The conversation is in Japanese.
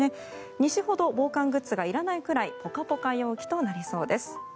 西ほど防寒グッズがいらないくらいポカポカ陽気となりそうです。